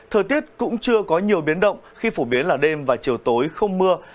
thời tiết cũng chưa có nhiều biến động khi phổ biến là đêm và chiều tối không mưa